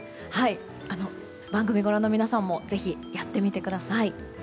番組ご覧の皆さんもぜひやってみてください。